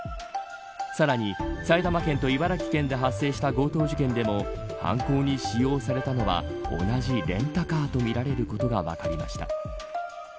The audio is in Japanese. さらに埼玉県と茨城県で発生した強盗事件でも犯行に使用されたのは同じレンタカーとみられることが分かりました。